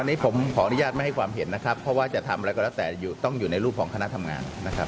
อันนี้ผมขออนุญาตไม่ให้ความเห็นนะครับเพราะว่าจะทำอะไรก็แล้วแต่ต้องอยู่ในรูปของคณะทำงานนะครับ